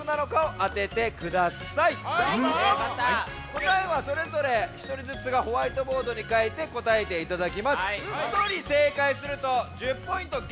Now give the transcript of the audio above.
こたえはそれぞれひとりずつがホワイトボードにかいてこたえていただきます。